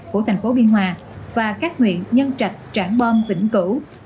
của thành phố biên hòa và các nguyện nhân trạch trảng bom vĩnh cửu